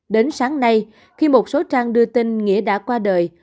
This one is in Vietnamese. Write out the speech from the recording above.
đến sáng nay khi một số trang đưa tin nghĩa đã qua đời